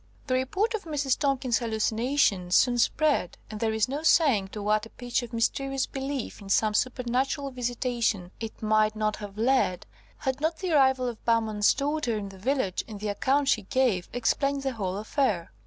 The report of Mrs. Tomkins's hallucination soon spread, and there is no saying to what a pitch of mysterious belief in some supernatural visitation it might not have led, had not the arrival of Bowman's daughter in the village, and the account she gave, explained the whole affair.